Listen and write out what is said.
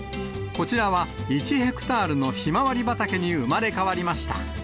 こちらは１ヘクタールのひまわり畑に生まれ変わりました。